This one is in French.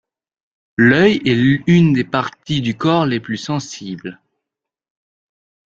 L’œil est une des parties du corps les plus sensibles.